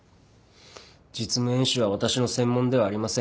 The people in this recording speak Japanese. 実務演習は私の専門ではありません。